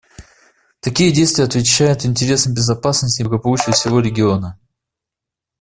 Такие действия отвечают интересам безопасности и благополучия всего региона.